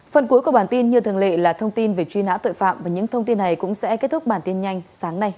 phần cuối của bản tin như thường lệ là thông tin về truy nã tội phạm và những thông tin này cũng sẽ kết thúc bản tin nhanh sáng nay